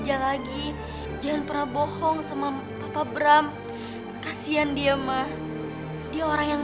kata kata mama yang masih dibingung